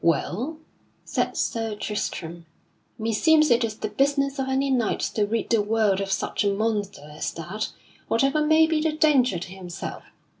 "Well," said Sir Tristram, "meseems it is the business of any knight to rid the world of such a monster as that, whatever may be the danger to himself.